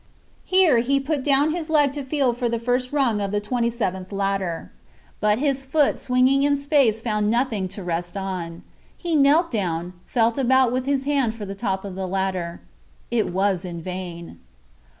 Here he put down his leg to feel for the first rung of the twenty seventh ladder. But his foot swinging in space found nothing to rest on. He knelt down and felt about with his hand for the top of the ladder. It was in vain.